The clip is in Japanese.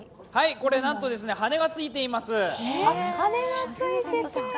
これなんと、羽根がついています。